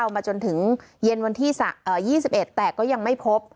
มาจนถึงเย็นวันที่๒๑แต่ก็ยังไม่พบ